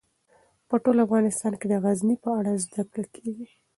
په ټول افغانستان کې د غزني په اړه زده کړه کېږي.